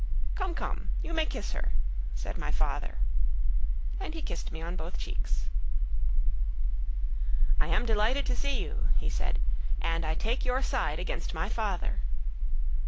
"Come, come, you may kiss her," said my father. And he kissed me on both cheeks. "I am delighted to see you," he said, "and I take your side against my father."